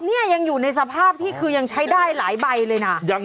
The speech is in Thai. เนี่ยยังอยู่ในสภาพที่คือยังใช้ได้หลายใบเลยนะ